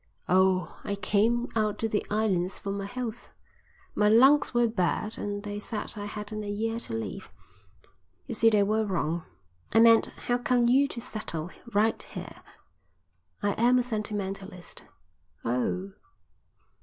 "Oh, I came out to the islands for my health. My lungs were bad and they said I hadn't a year to live. You see they were wrong." "I meant, how come you to settle down right here?" "I am a sentimentalist." "Oh!"